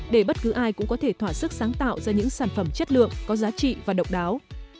để bất cứ ai cũng có thể thỏa sức sáng tạo ra những sản phẩm chất lượng có giá trị và độc đáo